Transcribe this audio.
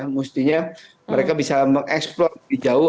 mestinya mereka bisa mengeksplor lebih jauh